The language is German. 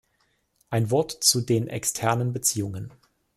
Ein Wort zu den externen Beziehungen.